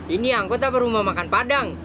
ini angkut apa rumah makan padang